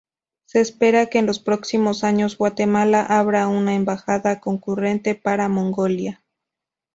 Se espera que en los próximos años Guatemala abra una embajada concurrente para Mongolia.